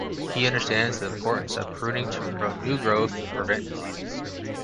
He understands the importance of pruning to promote new growth and prevent diseases.